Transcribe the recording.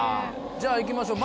じゃあいきましょう